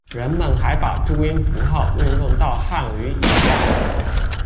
人们还把注音符号运用到汉语以外。